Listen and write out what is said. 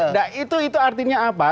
nah itu artinya apa